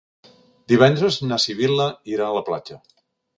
Divendres na Sibil·la irà a la platja.